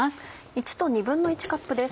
１と１／２カップです。